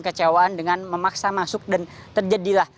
kecewaan dengan memaksa masuk dan terjadilah